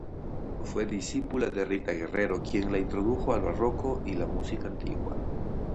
Fue discípula de Rita Guerrero, quien la introdujo al Barroco y la música antigua.